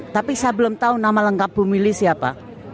tapi saya belum tahu nama lengkap bu mili siapa